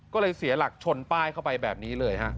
ก็เลยเสียหลักชนป้ายเข้าไปแบบนี้เลยฮะ